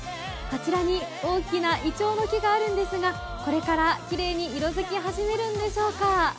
あちらに大きないちょうの木があるんですがこれからきれいに色づき始めるんでしょうか。